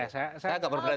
saya juga berbeda